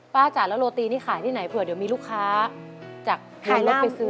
จ้ะแล้วโรตีนี่ขายที่ไหนเผื่อเดี๋ยวมีลูกค้าจากทารกไปซื้อ